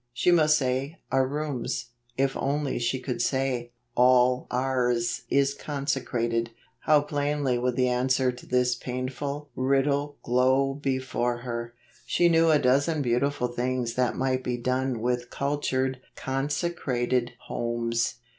She must say "our rooms, ' if only she could say, "all ours is consecrated," how plainly would the answer to this painful riddle glow before her ! She knew a dozen beautiful things that might be done with cultured consecrated homes."